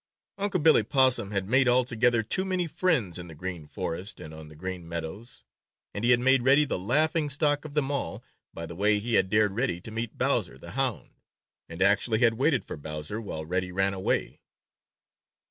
Unc' Billy Possum had made altogether too many friends in the Green Forest and on the Green Meadows, and he had made Reddy the laughing stock of them all by the way he had dared Reddy to meet Bowser the Hound, and actually had waited for Bowser while Reddy ran away.